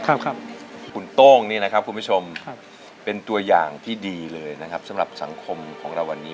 คุณโต้งคุณผู้ชมเป็นตัวอย่างที่ดีเลยสำหรับสังคมของเราวันนี้